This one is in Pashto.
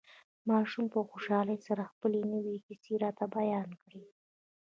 ماشوم په خوشحالۍ سره خپلې نوې کيسې راته بيان کړې.